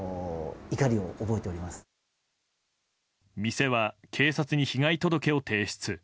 店は、警察に被害届を提出。